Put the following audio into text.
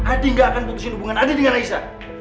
adi nggak akan putuskan hubungan adi dengan aisyah